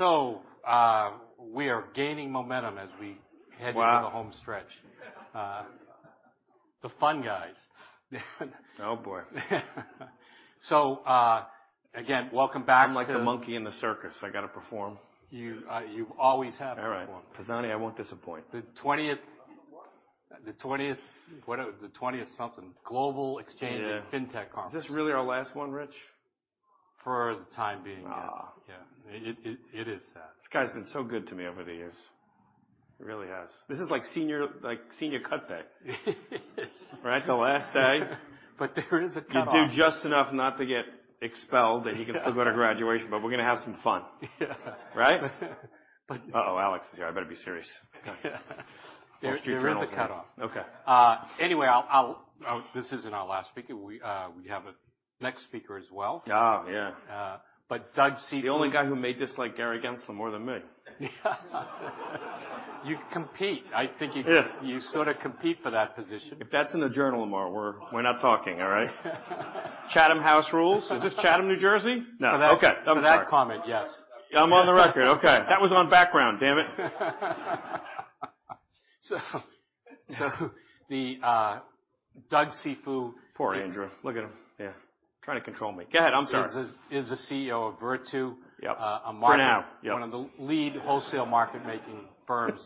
We are gaining momentum. Wow! -into the home stretch. The fun guys. Oh, boy. again, welcome back to- I'm like the monkey in the circus. I gotta perform. You, you always have to perform. All right. Pisani, I won't disappoint. What? The 20th Global Exchange. Yeah FinTech Conference. Is this really our last one, Rich? For the time being, yes. Ah. Yeah, it is sad. This guy's been so good to me over the years. He really has. This is like senior cut day. Yes. Right? The last day. There is a cutoff. You do just enough not to get expelled, and you can still go to graduation, but we're gonna have some fun. Yeah. Right? Uh-oh, Alex is here. I better be serious. There is a cutoff. Okay. This isn't our last speaker. We have a next speaker as well. Oh, yeah. Doug Cifu. The only guy who may dislike Gary Gensler more than me. You compete. Yeah you sort of compete for that position. If that's in the journal tomorrow, we're not talking, all right? Chatham House Rule. Is this Chatham, New Jersey? No. Okay, I'm sorry. For that comment, yes. I'm on the record. Okay. That was on background, damn it! The Doug Cifu. Poor Andrew. Look at him. Yeah, trying to control me. Go ahead, I'm sorry. Is the CEO of Virtu. Yep. a market- For now, yep. One of the lead wholesale market making firms.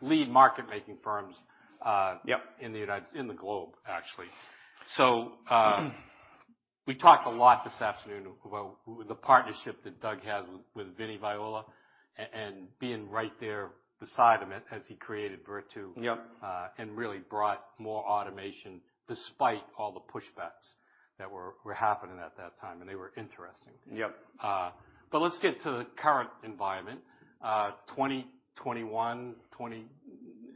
Lead market making firms, Yep... in the globe, actually. We talked a lot this afternoon about the partnership that Doug has with Vinnie Viola and being right there beside him as he created Virtu. Yep. Really brought more automation, despite all the pushbacks that were happening at that time, and they were interesting. Yep. Let's get to the current environment. 2021,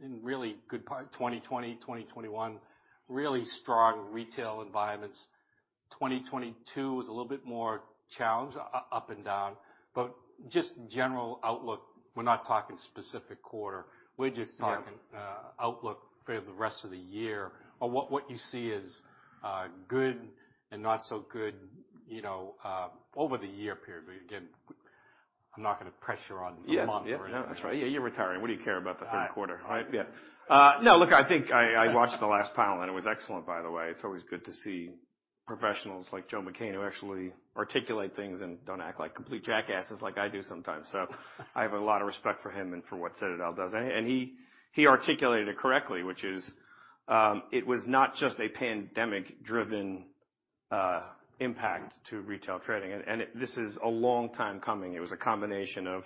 in really good part, 2020, 2021, really strong retail environments. 2022 was a little bit more challenged, up and down, just general outlook, we're not talking specific quarter. Yep. We're just talking outlook for the rest of the year, or what you see as good and not so good, you know, over the year period. Again, I'm not gonna pressure on the month or anything. Yeah, yeah. No, that's right. Yeah, you're retiring. What do you care about the third quarter? I- No, look, I think I watched the last panel. It was excellent, by the way. It's always good to see professionals like Joe Mecane, who actually articulate things and don't act like complete jackasses, like I do sometimes. I have a lot of respect for him and for what Citadel does. He articulated it correctly, which is, it was not just a pandemic-driven impact to retail trading, and this is a long time coming. It was a combination of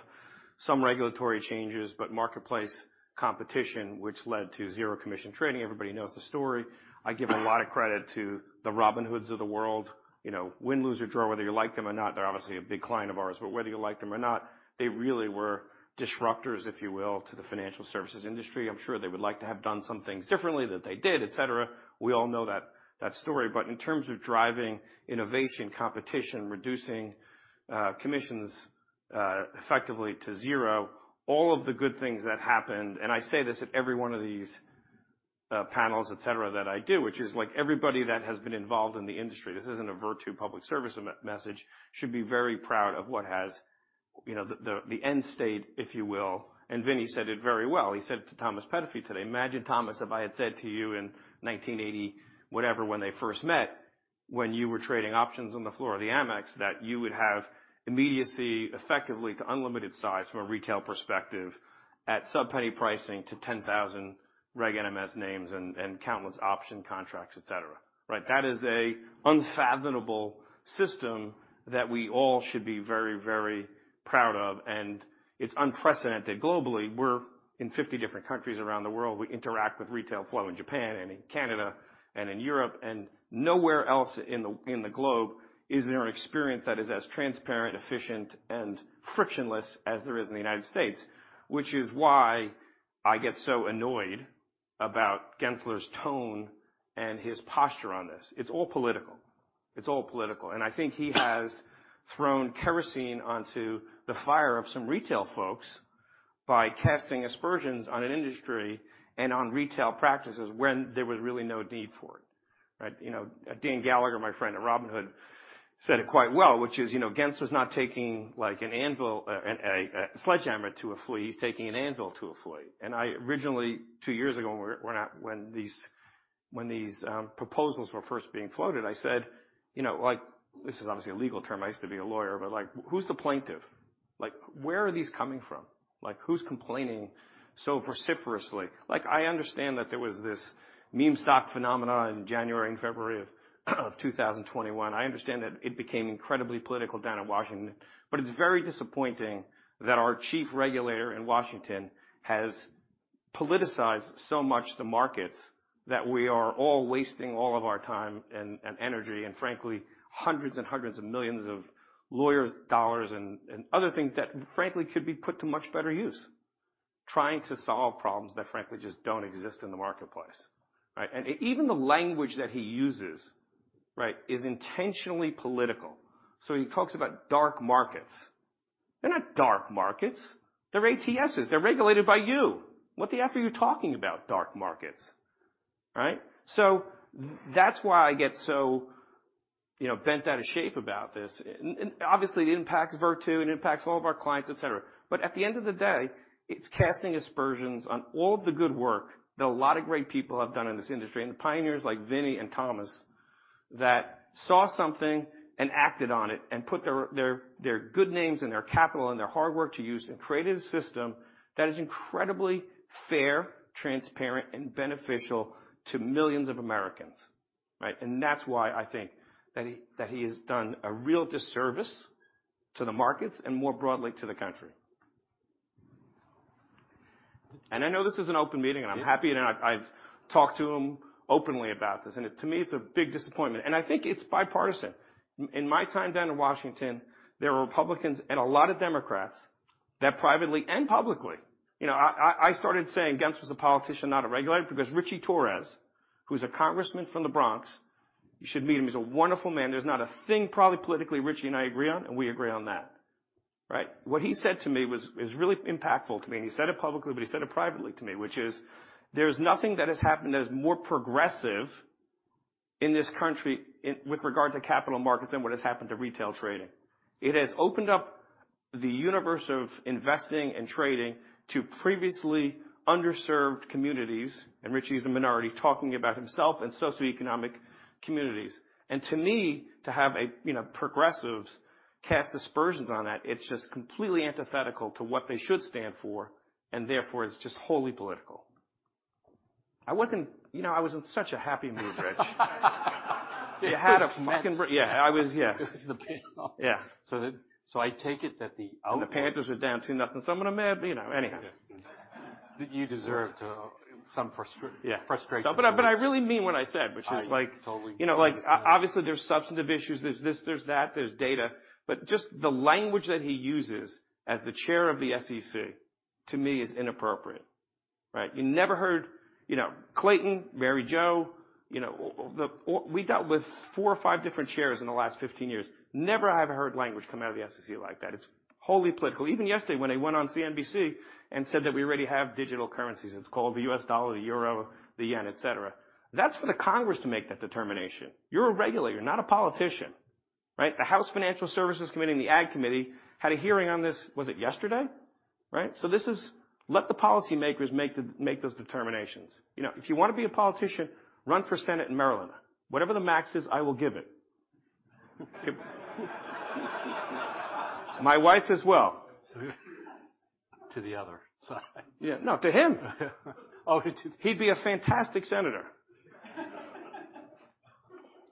some regulatory changes, marketplace competition, which led to zero commission trading. Everybody knows the story. I give a lot of credit to the Robinhoods of the world. You know, win, lose, or draw, whether you like them or not, they're obviously a big client of ours, but whether you like them or not, they really were disruptors, if you will, to the financial services industry. I'm sure they would like to have done some things differently than they did, et cetera. We all know that story. In terms of driving innovation, competition, reducing commissions effectively to zero, all of the good things that happened, and I say this at every one of these panels, et cetera, that I do, which is like everybody that has been involved in the industry, this isn't a Virtu public service message, should be very proud of what has... You know, the end state, if you will, and Vinnie said it very well. He said to Thomas Peterffy today: "Imagine, Thomas, if I had said to you in 1980," whatever, when they first met, "when you were trading options on the floor of the AMEX, that you would have immediacy effectively to unlimited size from a retail perspective at sub-penny pricing to 10,000 Reg NMS names and countless option contracts, et cetera." Right? That is a unfathomable system that we all should be very, very proud of, and it's unprecedented. Globally, we're in 50 different countries around the world. We interact with retail flow in Japan and in Canada and in Europe, nowhere else in the globe is there an experience that is as transparent, efficient, and frictionless as there is in the United States, which is why I get so annoyed about Gensler's tone and his posture on this. It's all political. It's all political, I think he has thrown kerosene onto the fire of some retail folks by casting aspersions on an industry and on retail practices when there was really no need for it, right? You know, Dan Gallagher, my friend at Robinhood, said it quite well, which is, you know, Gensler's not taking, like, a sledgehammer to a flea. He's taking an anvil to a flea. I originally, two years ago, when these proposals were first being floated, I said, you know, like. This is obviously a legal term. I used to be a lawyer, like, "Who's the plaintiff? Like, where are these coming from? Like, who's complaining so vociferously?" I understand that there was this meme stock phenomenon in January and February of 2021. I understand that it became incredibly political down in Washington, but it's very disappointing that our chief regulator in Washington has politicized so much the markets, that we are all wasting all of our time and energy, and frankly, hundreds and hundreds of millions of lawyer dollars and other things that, frankly, could be put to much better use, trying to solve problems that, frankly, just don't exist in the marketplace, right? Even the language that he uses, right, is intentionally political. He talks about dark markets. They're not dark markets. They're ATSs. They're regulated by you. What the F are you talking about, dark markets? Right? That's why I get you know, bent out of shape about this. Obviously, it impacts Virtu, and it impacts all of our clients, et cetera. At the end of the day, it's casting aspersions on all of the good work that a lot of great people have done in this industry, and the pioneers like Vinnie and Thomas, that saw something and acted on it and put their good names and their capital and their hard work to use, and created a system that is incredibly fair, transparent, and beneficial to millions of Americans, right? That's why I think that he has done a real disservice to the markets and, more broadly, to the country. I know this is an open meeting, and I'm happy, and I've talked to him openly about this, and to me, it's a big disappointment, and I think it's bipartisan. In my time down in Washington, there are Republicans and a lot of Democrats that privately and publicly... You know, I started saying Gensler is a politician, not a regulator, because Ritchie Torres, who's a congressman from the Bronx, you should meet him. He's a wonderful man. There's not a thing, probably politically, Ritchie and I agree on, and we agree on that, right? What he said to me was, is really impactful to me, and he said it publicly, but he said it privately to me, which is: There's nothing that has happened that is more progressive in this country with regard to capital markets than what has happened to retail trading. It has opened up the universe of investing and trading to previously underserved communities, and Ritchie is a minority, talking about himself and socioeconomic communities. To me, to have a, you know, progressives cast aspersions on that, it's just completely antithetical to what they should stand for, and therefore, it's just wholly political. You know, I was in such a happy mood, Rich. It had a freaking... Yeah, I was, yeah. This is the panel. Yeah. I take it that the The Panthers are down two, nothing, so I'm gonna mad, you know, anyhow. You deserve to... Some frus- Yeah. Frustration. I really mean what I said, which is like. I totally understand. You know, like, obviously, there's substantive issues. There's this, there's that, there's data, just the language that he uses as the Chair of the SEC, to me, is inappropriate, right? You never heard... You know, Clayton, Mary Jo, you know, we've dealt with four or five different Chairs in the last 15 years. Never have I heard language come out of the SEC like that. It's wholly political. Even yesterday, when I went on CNBC and said that we already have digital currencies, it's called the U.S. dollar, the euro, the yen, et cetera. That's for the Congress to make that determination. You're a regulator, not a politician, right? The House Financial Services Committee and the Ag Committee had a hearing on this, was it yesterday? Right? This is... Let the policymakers make those determinations. You know, if you wanna be a politician, run for Senate in Maryland. Whatever the max is, I will give it. My wife as well. To the other side. Yeah. No, to him. Oh. He'd be a fantastic senator.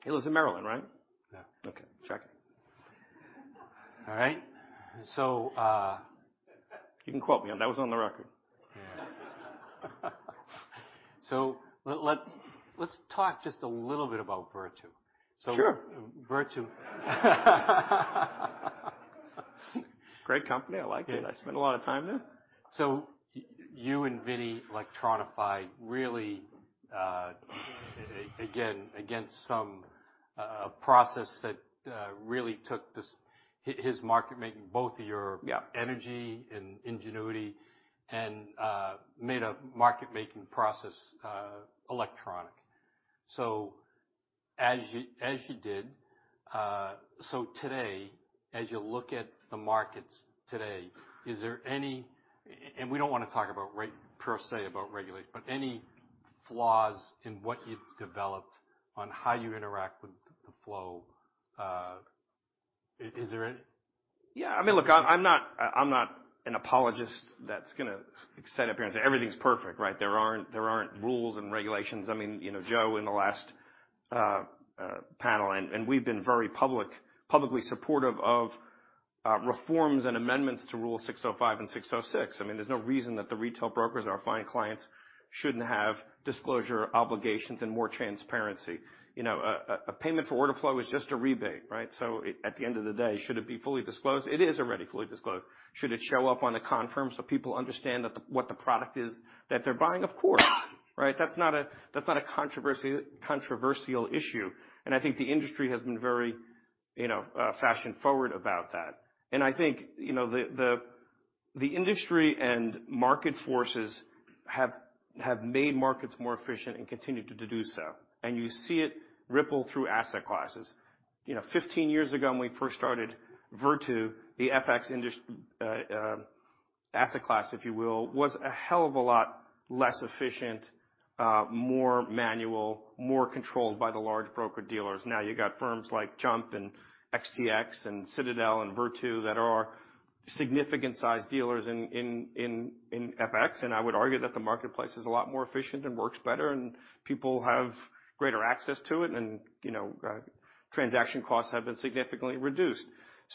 He lives in Maryland, right? Yeah. Okay, check. All right. You can quote me on that was on the record. Let's talk just a little bit about Virtu. Sure. Virtu. Great company. I like it. I spent a lot of time there. You and Vinnie electronify really again, against some process that really took this, his market, making both of your. Yeah... energy and ingenuity and made a market-making process electronic. As you did. Today, as you look at the markets today, is there any, and we don't want to talk about per se, about regulation, but any flaws in what you've developed on how you interact with the flow, is there any? Yeah. I mean, look, I'm not an apologist that's gonna stand up here and say, "Everything's perfect," right? There aren't rules and regulations. I mean, you know, Joe, in the last panel, and we've been very publicly supportive of reforms and amendments to Rule 605 and 606. I mean, there's no reason that the retail brokers, our fine clients, shouldn't have disclosure obligations and more transparency. You know, a payment for order flow is just a rebate, right? At the end of the day, should it be fully disclosed? It is already fully disclosed. Should it show up on a confirm so people understand what the product is that they're buying? Of course, right? That's not a controversial issue, and I think the industry has been very fashion-forward about that. I think the industry and market forces have made markets more efficient and continue to do so. You see it ripple through asset classes. 15 years ago, when we first started Virtu, the FX asset class, if you will, was a hell of a lot less efficient, more manual, more controlled by the large broker-dealers. Now, you got firms like Jump and XTX and Citadel and Virtu that are significant-sized dealers in FX, and I would argue that the marketplace is a lot more efficient and works better, and people have greater access to it, and transaction costs have been significantly reduced.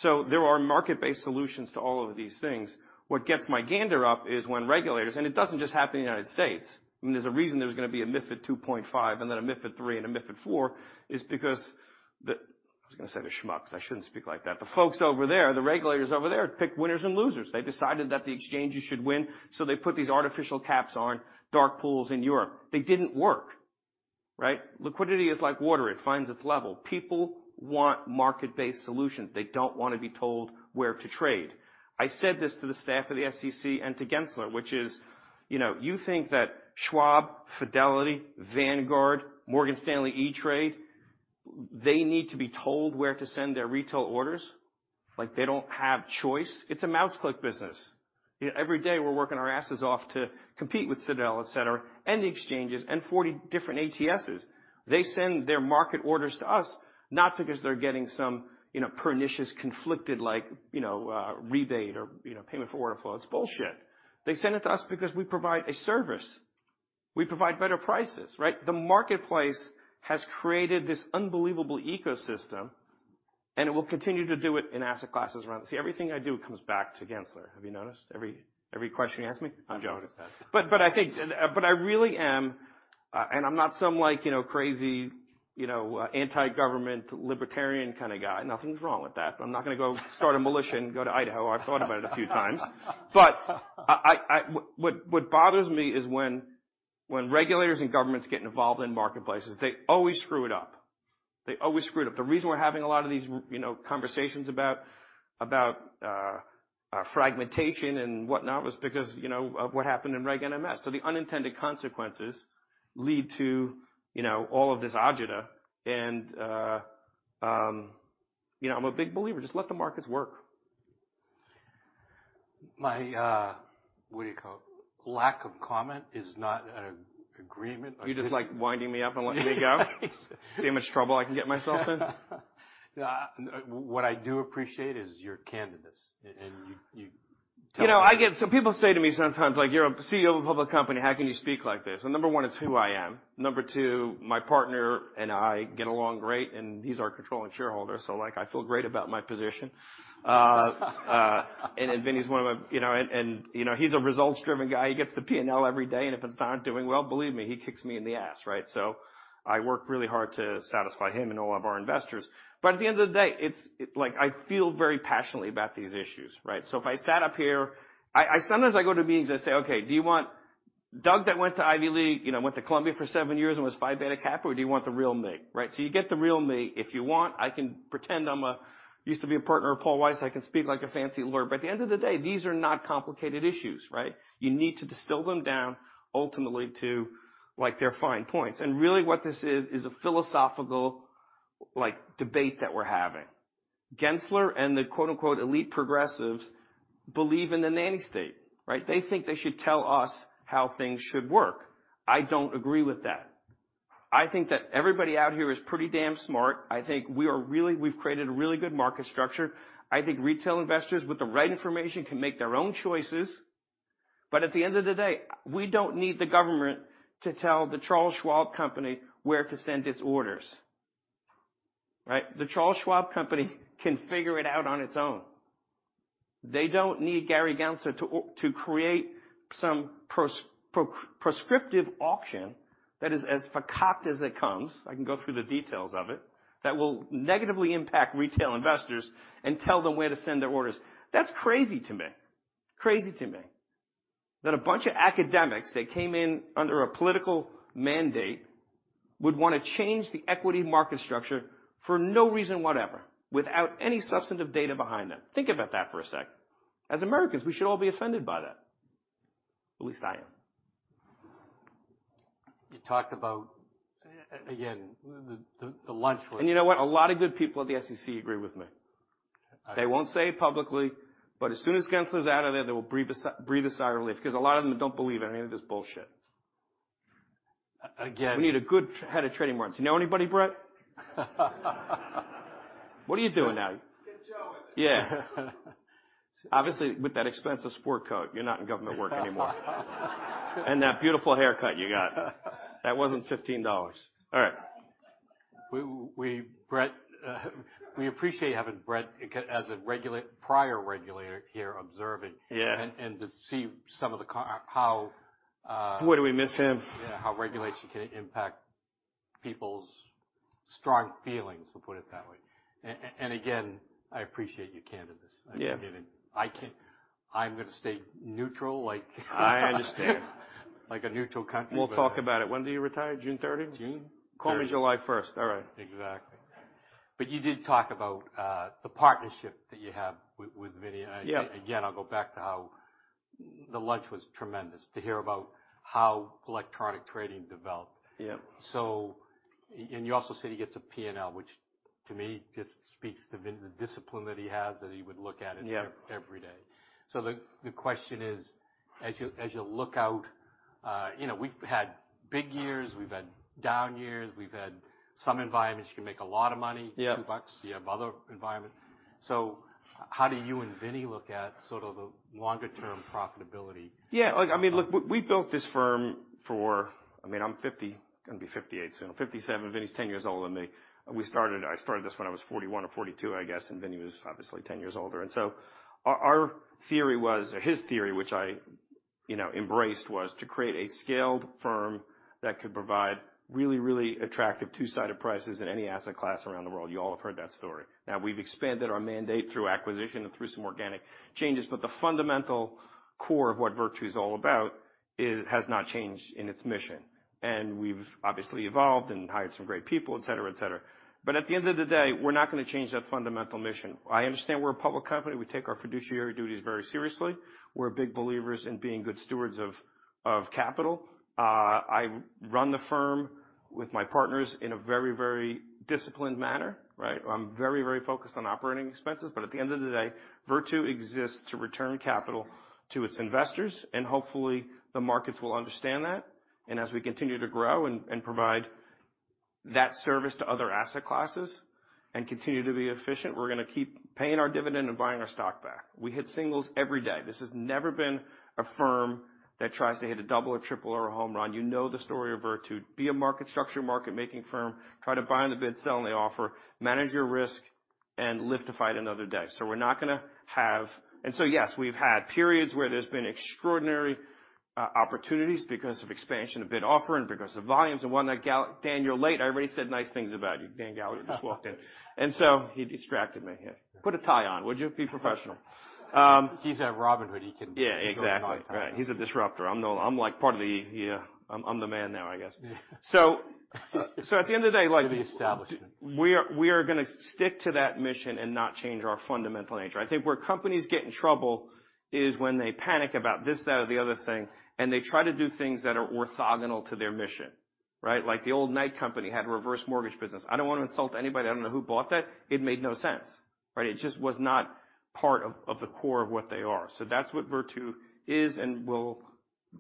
There are market-based solutions to all of these things. What gets my gander up is when regulators, it doesn't just happen in the United States, there's gonna be a MiFID 2.5, and then a MiFID III, and a MiFID IV, is because the folks over there, the regulators over there, pick winners and losers. They decided that the exchanges should win, they put these artificial caps on dark pools in Europe. They didn't work, right? Liquidity is like water, it finds its level. People want market-based solutions. They don't want to be told where to trade. I said this to the staff of the SEC and to Gensler, which is: You know, you think that Schwab, Fidelity, Vanguard, Morgan Stanley E*TRADE-... they need to be told where to send their retail orders? Like, they don't have choice? It's a mouse click business. You know, every day we're working our asses off to compete with Citadel, et cetera, and the exchanges and 40 different ATSs. They send their market orders to us, not because they're getting some, you know, pernicious, conflicted like, you know, rebate or, you know, payment for order flow. It's bullshit. They send it to us because we provide a service. We provide better prices, right? The marketplace has created this unbelievable ecosystem, and it will continue to do it in asset classes around... See, everything I do comes back to Gensler. Have you noticed? Every question you ask me, I'm joking. I've noticed that. I think, but I really am, and I'm not some, like, you know, crazy, you know, anti-government, libertarian kind of guy. Nothing's wrong with that, but I'm not gonna go start a militia and go to Idaho. I've thought about it a few times. What bothers me is when regulators and governments get involved in marketplaces, they always screw it up. They always screw it up. The reason we're having a lot of these, you know, conversations about fragmentation and whatnot was because, you know, of what happened in Reg NMS. The unintended consequences lead to, you know, all of this agita and, you know, I'm a big believer, just let the markets work. My what do you call it? Lack of comment is not an agreement. You're just, like, winding me up and letting me go? Yes. See how much trouble I can get myself in. Yeah, what I do appreciate is your candidness, and you. You know, people say to me sometimes, like, "You're a CEO of a public company, how can you speak like this?" Number one, it's who I am. Number two, my partner and I get along great, and he's our controlling shareholder, so, like, I feel great about my position. Vinnie is one of them, you know, and, you know, he's a results-driven guy. He gets the P&L every day, if it's not doing well, believe me, he kicks me in the ass, right? I work really hard to satisfy him and all of our investors. At the end of the day, like, I feel very passionately about these issues, right? If I sat up here... I sometimes I go to meetings, I say: "Okay, do you want Doug, that went to Ivy League, you know, went to Columbia for seven years and was Phi Beta Kappa, or do you want the real me?" right? You get the real me. If you want, I can pretend I'm used to be a partner of Paul, Weiss, I can speak like a fancy lawyer. At the end of the day, these are not complicated issues, right? You need to distill them down ultimately to, like, their fine points. Really what this is a philosophical, like, debate that we're having. Gensler and the, quote, unquote, "elite progressives" believe in the nanny state, right? They think they should tell us how things should work. I don't agree with that. I think that everybody out here is pretty damn smart. I think we've created a really good market structure. I think retail investors, with the right information, can make their own choices. At the end of the day, we don't need the government to tell the Charles Schwab company where to send its orders, right? The Charles Schwab company can figure it out on its own. They don't need Gary Gensler to create some prescriptive auction that is as farkakte as it comes, I can go through the details of it, that will negatively impact retail investors and tell them where to send their orders. That's crazy to me. Crazy to me, that a bunch of academics that came in under a political mandate would want to change the equity market structure for no reason whatever, without any substantive data behind them. Think about that for a sec. As Americans, we should all be offended by that. At least I am. You talked about again the. You know what? A lot of good people at the SEC agree with me. They won't say it publicly, but as soon as Gensler is out of there, they will breathe a sigh of relief because a lot of them don't believe any of this bullshit. A-again- We need a good head of trading warrants. You know anybody, Brett? What are you doing now? Yeah. Obviously, with that expensive sport coat, you're not in government work anymore. That beautiful haircut you got. That wasn't $15. All right. We Brett, we appreciate having Brett, as a prior regulator here observing. Yeah. to see some of the how. Boy, do we miss him? Yeah, how regulation can impact people's strong feelings, to put it that way. Again, I appreciate your candidness. Yeah. I mean, I'm gonna stay neutral, like. I understand. Like a neutral country. We'll talk about it. When do you retire? June 30th? June. Call me July 1st. All right. Exactly. You did talk about, the partnership that you have with Vinnie. Yeah. Again, I'll go back to how the lunch was tremendous, to hear about how electronic trading developed. Yeah. You also said he gets a P&L, which to me just speaks to the discipline that he has, that he would look at. Yeah... every day. The question is, as you look out, you know, we've had big years, we've had down years, we've had some environments you can make a lot of money. Yeah... $2, you have other environment. How do you and Vinnie look at sort of the longer term profitability? Yeah, like, I mean, look, we built this firm for. I mean, I'm 50, gonna be 58, so 57. Vinnie's 10 years older than me. I started this when I was 41 or 42, I guess, and Vinnie was obviously 10 years older. Our theory was, or his theory, which I, you know, embraced, was to create a scaled firm that could provide really attractive two-sided prices in any asset class around the world. You all have heard that story. Now, we've expanded our mandate through acquisition and through some organic changes, but the fundamental core of what Virtu is all about, it has not changed in its mission. We've obviously evolved and hired some great people, et cetera, et cetera. At the end of the day, we're not gonna change that fundamental mission. I understand we're a public company. We take our fiduciary duties very seriously. We're big believers in being good stewards of capital. I run the firm with my partners in a very, very disciplined manner, right? I'm very, very focused on operating expenses. At the end of the day, Virtu exists to return capital to its investors. Hopefully the markets will understand that. As we continue to grow and provide that service to other asset classes and continue to be efficient, we're gonna keep paying our dividend and buying our stock back. We hit singles every day. This has never been a firm that tries to hit a double or triple or a home run. You know the story of Virtu. Be a market structure, market-making firm, try to buy on the bid, sell on the offer, manage your risk. Live to fight another day. We're not gonna have. Yes, we've had periods where there's been extraordinary opportunities because of expansion of bid offer and because of volumes, and one that Dan Gallagher, I already said nice things about you. Dan Gallagher just walked in. He distracted me. Put a tie on, would you? Be professional. He's at Robinhood. Yeah, exactly. Wear a tie. Right. He's a disruptor. I'm like part of the... Yeah, I'm the man now, I guess. At the end of the day, like... The establishment. We are gonna stick to that mission and not change our fundamental nature. I think where companies get in trouble is when they panic about this, that, or the other thing, and they try to do things that are orthogonal to their mission, right? Like, the old Knight Company had a reverse mortgage business. I don't want to insult anybody. I don't know who bought that. It made no sense, right? It just was not part of the core of what they are. That's what Virtu is and will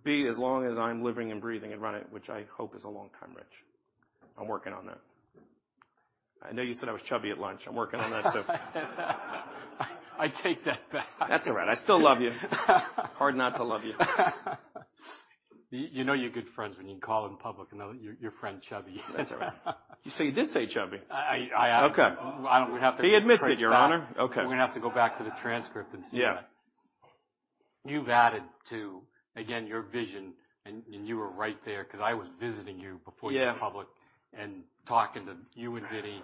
be as long as I'm living and breathing and running, which I hope is a long time, Rich. I'm working on that. I know you said I was chubby at lunch. I'm working on that, too. I take that back. That's all right. I still love you. Hard not to love you. you know you're good friends when you can call him in public and tell your friend chubby. That's all right. You did say chubby? I, I- Okay. I don't have. He admitted it, Your Honor. Okay. We're gonna have to go back to the transcript and see that. Yeah. You've added to, again, your vision, and you were right there because I was visiting you before. Yeah... you went public and talking to you and Vinnie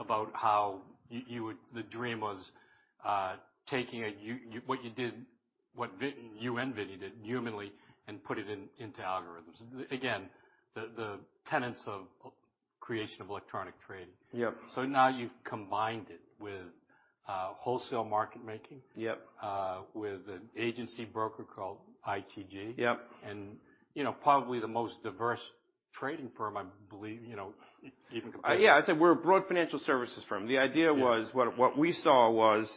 about how you would. The dream was, taking what you did, what you and Vinnie did humanly and put it into algorithms. Again, the tenets of creation of electronic trade. Yep. Now you've combined it with, wholesale market making. Yep. with an agency broker called ITG. Yep. You know, probably the most diverse trading firm, I believe, you know. Yeah, I'd say we're a broad financial services firm. The idea was- Yeah... what we saw was,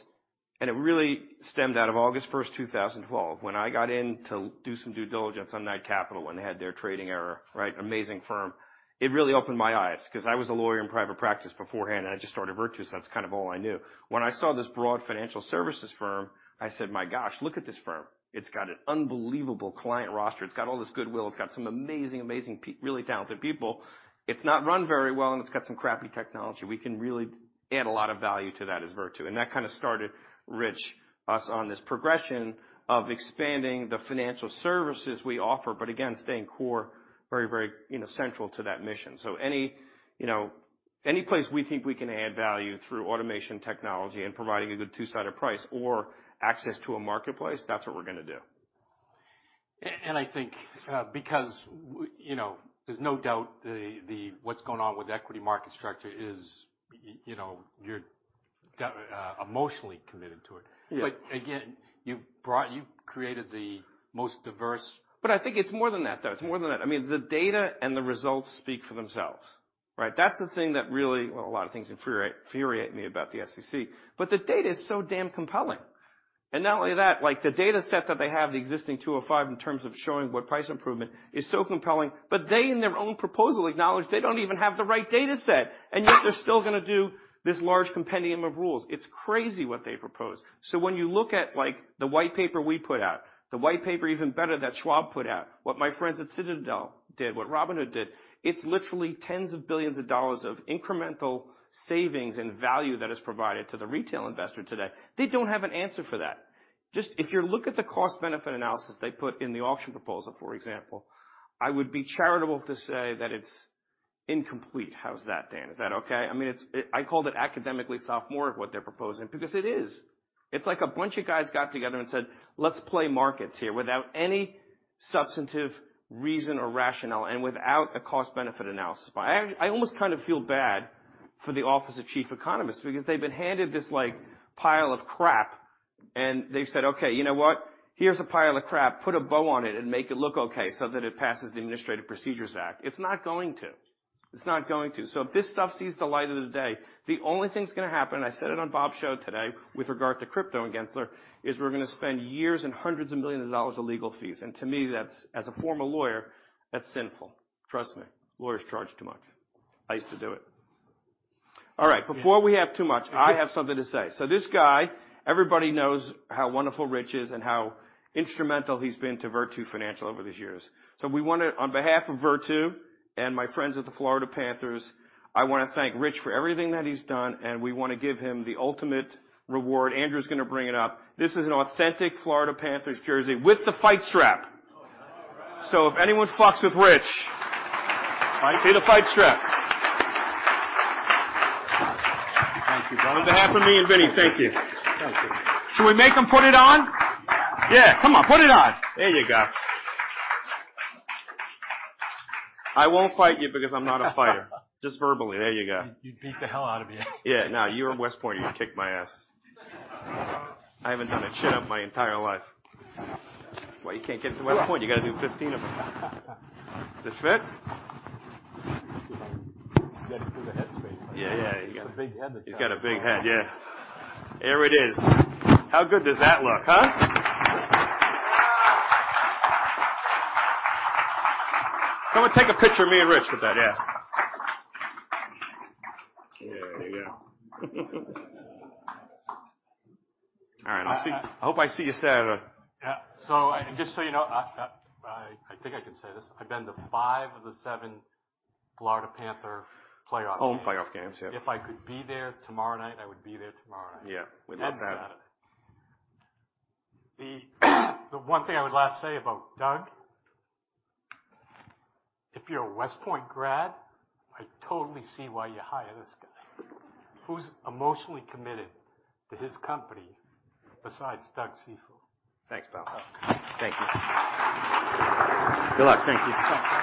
It really stemmed out of August 1st, 2012, when I got in to do some due diligence on Knight Capital when they had their trading error, right? Amazing firm. It really opened my eyes because I was a lawyer in private practice beforehand. I just started Virtu. That's kind of all I knew. When I saw this broad financial services firm, I said: "My gosh, look at this firm. It's got an unbelievable client roster. It's got all this goodwill. It's got some amazing, really talented people. It's not run very well, and it's got some crappy technology. We can really add a lot of value to that as Virtu. That kind of started, Rich, us on this progression of expanding the financial services we offer, but again, staying core, very, you know, central to that mission. Any, you know, any place we think we can add value through automation, technology, and providing a good two-sided price or access to a marketplace, that's what we're gonna do. I think, because you know, there's no doubt What's going on with the equity market structure is, you know, you're emotionally committed to it. Yeah. Again, you've created the most diverse... I think it's more than that, though. It's more than that. I mean, the data and the results speak for themselves, right? That's the thing that really. Well, a lot of things infuriate me about the SEC, but the data is so damn compelling. Not only that, like, the data set that they have, the existing Rule 605, in terms of showing what price improvement, is so compelling, they, in their own proposal, acknowledge they don't even have the right data set, and yet they're still gonna do this large compendium of rules. It's crazy what they propose. When you look at, like, the white paper we put out, the white paper, even better, that Schwab put out, what my friends at Citadel did, what Robinhood did, it's literally tens of billions of dollars of incremental savings and value that is provided to the retail investor today. They don't have an answer for that. If you look at the cost-benefit analysis they put in the auction proposal, for example, I would be charitable to say that it's incomplete. How's that, Dan? Is that okay? I mean, it's, I called it academically sophomore of what they're proposing because it is. It's like a bunch of guys got together and said: "Let's play markets here," without any substantive reason or rationale and without a cost-benefit analysis. I almost kind of feel bad for the Office of the Chief Economist because they've been handed this, like, pile of crap, and they've said: "Okay, you know what? Here's a pile of crap. Put a bow on it and make it look okay so that it passes the Administrative Procedure Act." It's not going to. It's not going to. If this stuff sees the light of the day, the only thing that's gonna happen, I said it on Bob's show today, with regard to crypto and Gensler, is we're gonna spend years and hundreds of millions of dollars on legal fees. To me, that's, as a former lawyer, that's sinful. Trust me, lawyers charge too much. I used to do it. All right. Yeah. Before we have too much, I have something to say. This guy, everybody knows how wonderful Rich is and how instrumental he's been to Virtu Financial over these years. We wanna, on behalf of Virtu and my friends at the Florida Panthers, I wanna thank Rich for everything that he's done, and we wanna give him the ultimate reward. Andrew is gonna bring it up. This is an authentic Florida Panthers jersey with the fight strap. All right. If anyone mess with Rich-. See the fight strap. Thank you, Doug. On behalf of me and Vinnie, thank you. Thank you. Should we make him put it on? Yeah, come on, put it on. There you go. I won't fight you because I'm not a fighter. Just verbally. There you go. He'd beat the hell out of you. Yeah, no, you were West Point. You'd kick my ass. I haven't done a chin-up my entire life. Well, you can't get to West Point. You gotta do 15 of them. Does it fit? You got to do the head space. Yeah, yeah. He's got a big head. He's got a big head, yeah. There it is. How good does that look, huh? Someone take a picture of me and Rich with that. Yeah. There you go. All right, I hope I see you Saturday. Yeah. Just so you know, I think I can say this: I've been to five of the seven Florida Panthers playoff games. Home playoff games, yeah. If I could be there tomorrow night, I would be there tomorrow night. Yeah, we love that. The one thing I would last say about Doug: If you're a West Point grad, I totally see why you hire this guy. Who's emotionally committed to his company besides Doug Cifu? Thanks, pal. Thank you. Good luck. Thank you. Thanks.